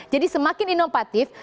jadi semakin inovatif